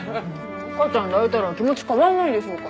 赤ちゃん抱いたら気持ち変わんないでしょうか？